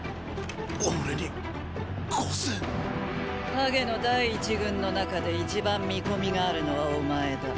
ハゲの第一軍の中で一番見込みがあるのはお前だ。